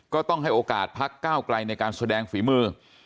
ก็ต้องให้โอกาสพักก้าวไกลในการแสดงฝีมือ